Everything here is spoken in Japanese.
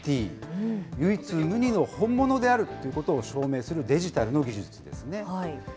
唯一無二の本物であるということを証明するデジタルの技術ですね。